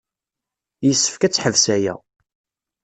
Yessefk ad teḥbes aya.